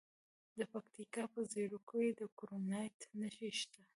د پکتیکا په زیروک کې د کرومایټ نښې شته.